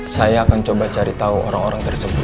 saya akan coba cari tahu orang orang tersebut